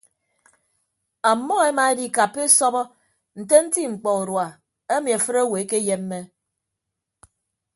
Ammọ emaedikappa esọbọ nte nti mkpọ urua emi afịt owo ekeyemme.